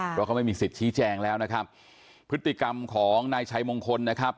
เพราะเขาไม่มีสิทธิ์ชี้แจงแล้วนะครับพฤติกรรมของนายชัยมงคลนะครับ